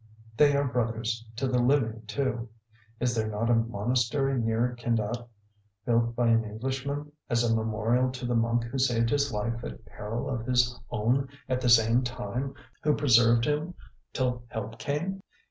They are brothers to the living, too. Is there not a monastery near Kindat, built by an Englishman as a memorial to the monk who saved his life at peril of his own at that same time, who preserved him till help came?